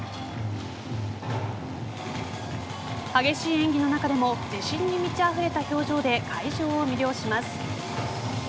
激しい演技の中でも自信に満ちあふれた表情で会場を魅了します。